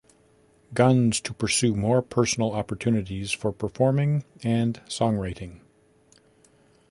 Guns to pursue more personal opportunities for performing and songwriting.